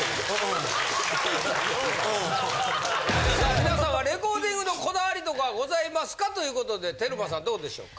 皆さんはレコーディングのこだわりとかございますかということでテルマさんどうでしょうか？